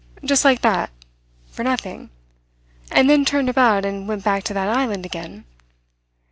"Just like that; for nothing? And then turned about and went back to that island again?"